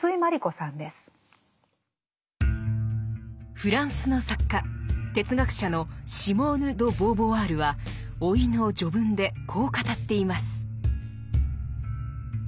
フランスの作家・哲学者のシモーヌ・ド・ボーヴォワールは「老い」の序文でこう語っています。